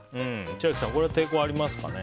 千秋さん、これは抵抗ありますかね？